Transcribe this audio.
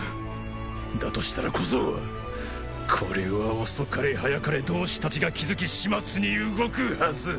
だとしたら小僧はこれは遅かれ早かれ同志達が気づき始末に動くはず